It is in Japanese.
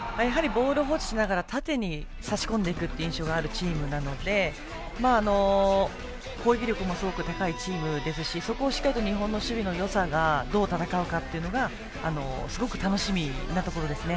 ボールを保持しながら縦に差し込んでいくという印象があるチームなので攻撃力もすごい高いチームですしそこをしっかりと日本の守備のよさがどう戦うかというのがすごく楽しみなところですね。